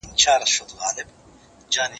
موږ چي ول بالا به باران راسي باره وريځي ولاړې